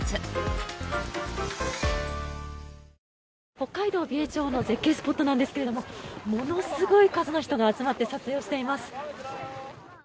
北海道美瑛町の絶景スポットなんですけどもものすごい数の人が集まって撮影をしています。